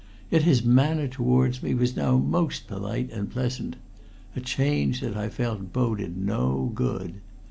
Yet his manner towards me was now most polite and pleasant a change that I felt boded no good.